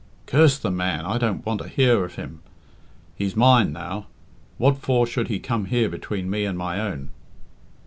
Curse the man! I don't want to hear of him. She's mine now. What for should he come here between me and my own?"